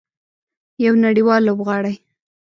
یو نړیوال لوبغاړی.